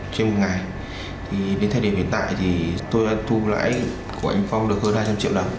trên một ngày đến thời điểm hiện tại thì tôi đã thu lãi của anh phong được hơn hai trăm linh triệu đồng